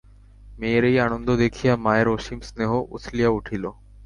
মেয়ের এই আনন্দ দেখিয়া মায়ের অসীম স্নেহ উথলিয়া উঠিল।